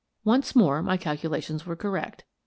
Once more my calculations were correct.